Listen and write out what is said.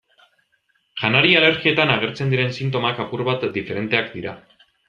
Janari-alergietan agertzen diren sintomak apur bat diferenteak dira.